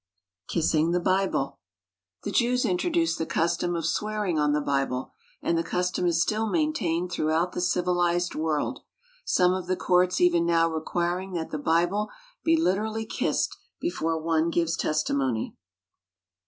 =Kissing the Bible.= The Jews introduced the custom of swearing on the Bible, and the custom is still maintained throughout the civilized world, some of the courts even now requiring that the Bible be literally kissed before one gives testimony.